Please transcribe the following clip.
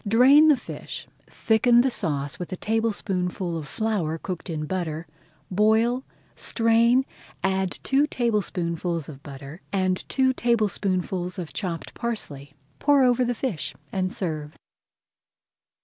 Drain the fish, thicken the sauce with a tablespoonful of flour cooked in butter, boil, strain, add two tablespoonfuls of butter, and two tablespoonfuls of chopped parsley, pour over the fish, and serve.